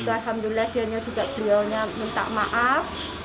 alhamdulillah dia juga minta maaf